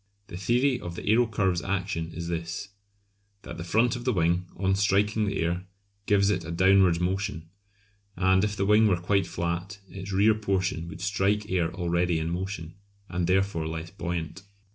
The theory of the aerocurve's action is this: that the front of the wing, on striking the air, gives it a downwards motion, and if the wing were quite flat its rear portion would strike air already in motion, and therefore less buoyant.